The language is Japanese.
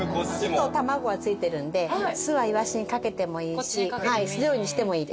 酢と卵が付いてるんで酢はイワシに掛けてもいいし酢じょうゆにしてもいいです。